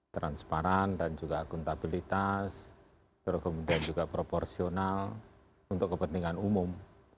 transparan dan juga akuntabilitas terus kemudian juga proporsional untuk kepentingan umum